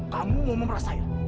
kamu mau memeras saya